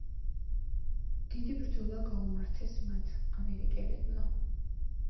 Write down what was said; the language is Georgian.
დიდი ბრძოლა გაუმართეს მათ ამერიკელებმა.